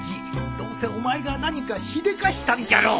どうせお前が何かしでかしたんじゃろ